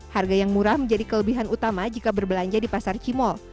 harga yang murah menjadi kelebihan utama jika berbelanja di pasar cimol